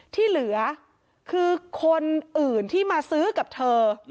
ที่เหลือคือคนอื่นที่มาซื้อกับเธอ